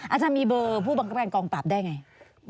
อาจารย์มีเบอร์ผู้บังคับการกองปราบได้ไง